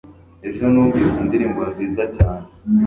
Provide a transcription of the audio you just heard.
Ejo numvise indirimbo nziza cyane